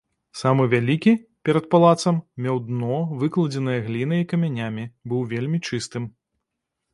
Самы вялікі, перад палацам, меў дно, выкладзенае глінай і камянямі, быў вельмі чыстым.